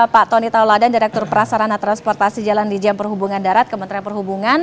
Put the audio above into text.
pak tony tauladan direktur prasarana transportasi jalan di jam perhubungan darat kementerian perhubungan